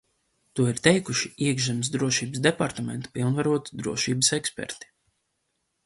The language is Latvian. To ir teikuši Iekšzemes drošības departamenta pilnvaroti drošības eksperti.